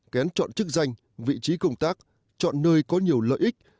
kén chọn chức danh vị trí công tác chọn nơi có nhiều lợi ích